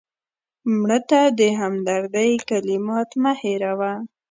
مړه ته د همدردۍ کلمات مه هېروه